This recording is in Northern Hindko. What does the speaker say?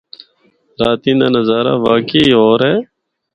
راتیں دا نظارہ واقعی ہور اے۔